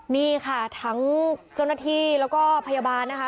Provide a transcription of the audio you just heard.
นี่ค่ะทั้งเจ้าหน้าที่แล้วก็พยาบาลนะคะ